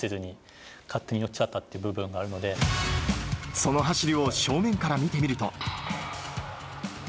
その走りを正面から見てみると。